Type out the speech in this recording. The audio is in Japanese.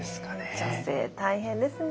女性大変ですね。